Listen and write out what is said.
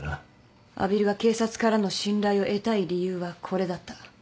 阿比留が警察からの信頼を得たい理由はこれだった。